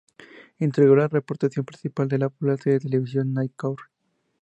Integró el reparto principal de la popular serie de televisión "Night Court".